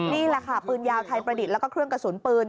นี่แหละค่ะปืนยาวไทยประดิษฐ์แล้วก็เครื่องกระสุนปืน